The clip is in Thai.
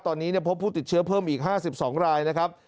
ตอนนี้พบผู้ติดเชื้อเพิ่มอีก๕๒รายนะครับ